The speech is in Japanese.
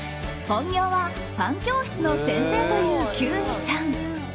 本業はパン教室の先生という休井さん。